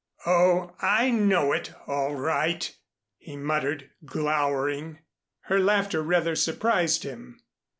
"Oh, I know it, all right," he muttered, glowering. Her laughter rather surprised him.